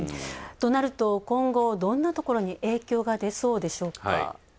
となると、今後、どんなところに影響が出そうでしょうか？